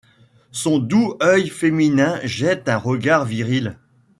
Son doux oeil féminin jette un regard viril ;